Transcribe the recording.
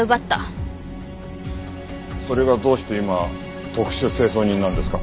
それがどうして今特殊清掃人なんですか？